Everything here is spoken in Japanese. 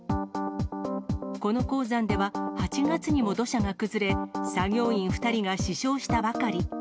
この鉱山では、８月にも土砂が崩れ、作業員２人が死傷したばかり。